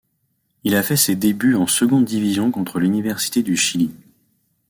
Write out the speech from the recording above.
Il a fait ses débuts en seconde division contre l’Université du Chili.